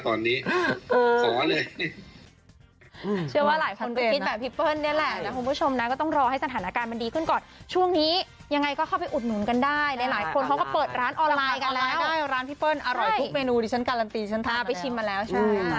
กูเอาไว้ก่อนแล้วตอนนี้ขอเลย